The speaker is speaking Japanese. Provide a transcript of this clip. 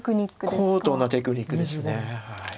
高度なテクニックです。